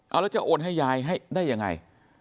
เอาแล้วจะโอนให้ยายให้ได้ยังไง